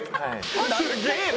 すげえな！